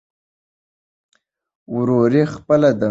وروري خپله ده.